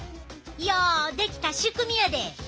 ようできた仕組みやで。